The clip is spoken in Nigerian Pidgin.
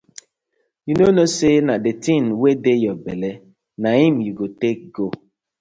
Yu no kno say na di tin wey yah belle na im yu go take go.